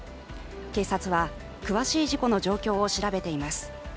警察は詳しい事故の状況を調べています。